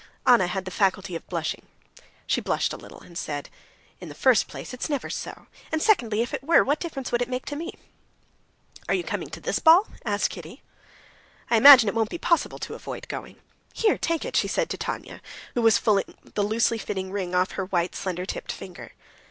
Anna had the faculty of blushing. She blushed a little, and said: "In the first place it's never so; and secondly, if it were, what difference would it make to me?" "Are you coming to this ball?" asked Kitty. "I imagine it won't be possible to avoid going. Here, take it," she said to Tanya, who was pulling the loosely fitting ring off her white, slender tipped finger.